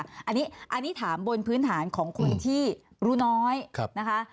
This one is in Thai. อันนี้ถามบนพื้นฐานของคนที่รู้น้อยนะคะ